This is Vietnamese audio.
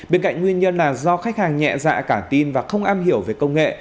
bên cạnh nguyên nhân là do khách hàng nhẹ dạ cả tin và không am hiểu về công nghệ